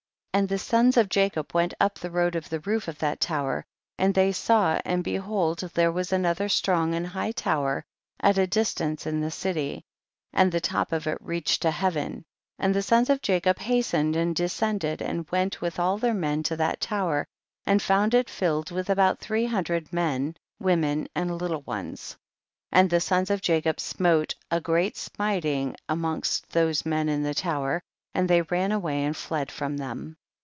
35. And the sons of Jacob went up the road of the roof of that tower, and they saw, and behold there was another strong and high tower at a distance in the city, and the top of it reached to heaven,* and the sons of Jacob hastened and descended, and went with all their men to that tower, and found it filled with about three hundred men, women and little ones. 36. And the sons of Jacob smote a great smiting amongst those men in the tower, and they ran away and fled from them.